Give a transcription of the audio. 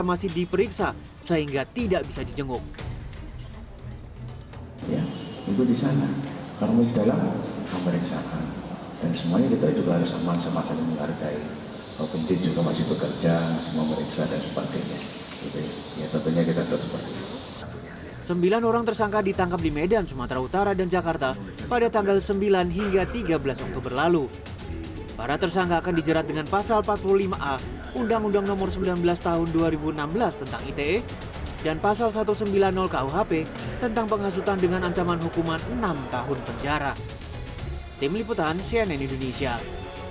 untuk mencari penolakan untuk mencari penolakan